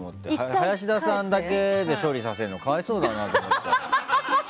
林田さんだけで処理させるの可哀想だと思って。